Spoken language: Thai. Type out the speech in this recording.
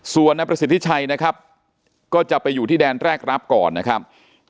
ส่วนนายประสิทธิชัยนะครับก็จะไปอยู่ที่แดนแรกรับก่อนนะครับ